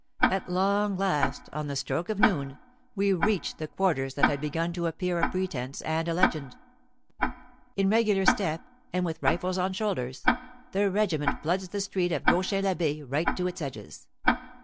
At long last, on the stroke of noon, we reach the quarters that had begun to appear a pretense and a legend. In regular step and with rifles on shoulders, the regiment floods the street of Gauchin l'Abbe right to its edges.